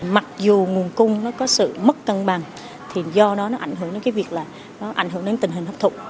mặc dù nguồn cung có sự mất cân bằng do đó nó ảnh hưởng đến tình hình hấp thụ